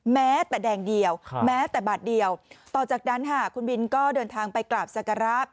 แม้แต่แดงเดียวแม้แต่บาทเดียวต่อจากนั้นค่ะคุณบินก็เดินทางไปกราบศักระ